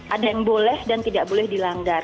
ada yang boleh dan tidak boleh dilanggar